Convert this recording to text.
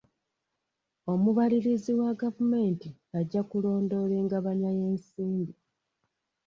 Omubalirizi wa gavumenti ajja kulondoola engabanya y'ensimbi.